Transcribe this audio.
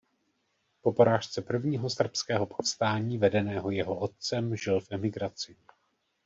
Po porážce prvního srbského povstání vedeného jeho otcem žil v emigraci.